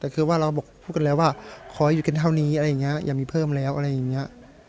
แต่คือว่าเราบอกพูดกันแล้วว่าขอหยุดกันเท่านี้อะไรอย่างนี้อย่ามีเพิ่มแล้วอะไรอย่างนี้